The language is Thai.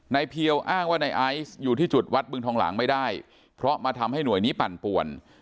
เพียวอ้างว่าในไอซ์อยู่ที่จุดวัดบึงทองหลางไม่ได้เพราะมาทำให้หน่วยนี้ปั่นป่วน